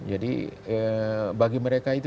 jadi bagi mereka itu